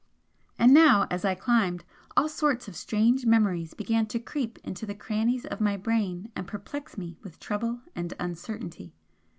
And now, as I climbed, all sorts of strange memories began to creep into the crannies of my brain and perplex me with trouble and uncertainty.